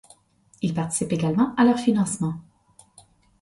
Il participe également à leur financement.